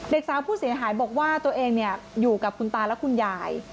เด็กสาวผู้เสียหายบอกว่าตัวเองอยู่กับคุณตาและคุณยาย